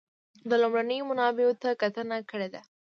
د لومړنیو منابعو ته کتنه کړې ده.